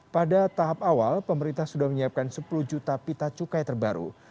pada tahap awal pemerintah sudah menyiapkan sepuluh juta pita cukai terbaru